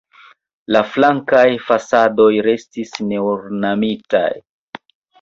La flankaj fasadoj restis neornamitaj.